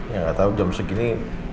ya gak tau jam segini